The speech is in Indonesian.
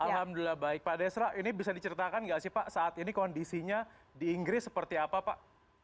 alhamdulillah baik pak desra ini bisa diceritakan nggak sih pak saat ini kondisinya di inggris seperti apa pak